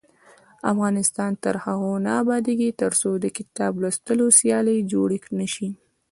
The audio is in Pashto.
افغانستان تر هغو نه ابادیږي، ترڅو د کتاب لوستلو سیالۍ جوړې نشي.